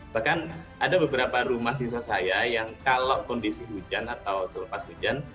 bahkan ada beberapa rumah siswa saya yang kalau kondisi hujan atau selepas hujan